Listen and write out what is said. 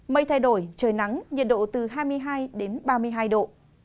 mây thay đổi trời nắng nhiệt độ từ hai mươi hai đến ba mươi hai độ